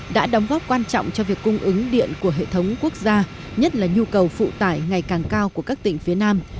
đã đóng góp quan trọng cho việc cung ứng điện của hệ thống quốc gia nhất là nhu cầu phụ tải ngày càng cao của các tỉnh phía nam